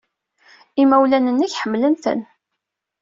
Imawlan-nnek ḥemmlen-ten.